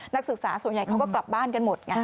นักศึกษาส่วนใหญ่เขาก็กลับบ้านกันหมดไง